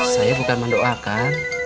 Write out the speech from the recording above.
saya bukan mendoakan